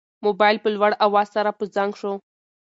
موبایل په لوړ اواز سره په زنګ شو.